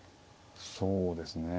そうですね。